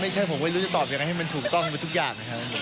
ไม่ใช่ผมไม่รู้จะตอบยังไงให้มันถูกต้องไปทุกอย่างนะครับ